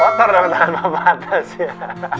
kotor dengan tangan papa atas ya